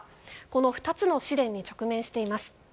この２つの試練に直面しています。